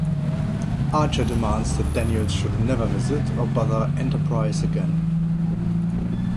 Archer demands that Daniels should never visit or bother "Enterprise" again.